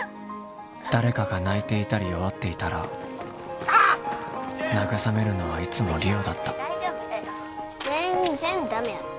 誰かが泣いていたり弱っていたらなぐさめるのはいつも梨央だった全然ダメやった